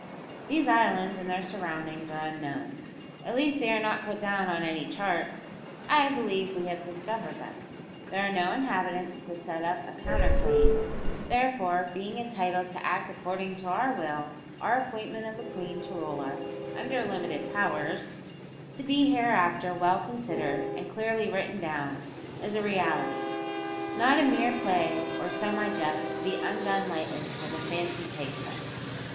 These islands and their surroundings are unknown at least they are not put down on any chart; I believe we have discovered them. There are no inhabitants to set up a counter claim; therefore, being entitled to act according to our will, our appointment of a queen to rule us under limited powers, to be hereafter well considered and clearly written down is a reality; not a mere play or semi jest to be undone lightly when the fancy takes us.